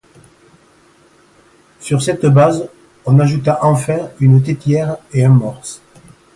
Sur cette base, on ajouta enfin une têtière et un mors.